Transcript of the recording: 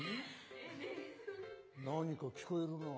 何か聞こえるなぁ。